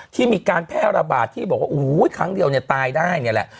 ที่มีการแพร่ระบาดที่บอกว่าโอ้โหครั้งเดียวเนี่ยตายได้เนี่ยแหละ